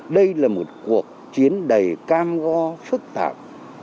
đây là một cuộc chiến đầy cam go phức tạp